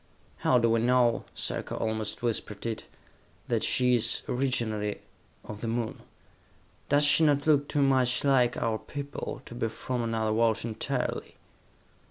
"How do we know," Sarka almost whispered it, "that she is, originally, of the Moon? Does she not look too much like our people, to be from another world entirely?"